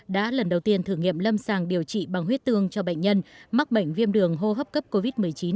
đã lần đầu tiên thử nghiệm lâm sàng điều trị bằng huyết tương cho bệnh nhân mắc bệnh viêm đường hô hấp cấp covid một mươi chín